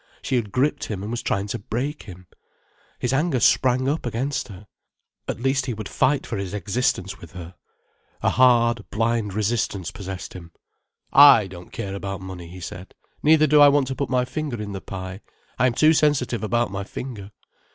She had gripped him and was trying to break him. His anger sprang up, against her. At least he would fight for his existence with her. A hard, blind resistance possessed him. "I don't care about money," he said, "neither do I want to put my finger in the pie. I am too sensitive about my finger."